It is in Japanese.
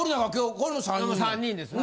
この３人ですね。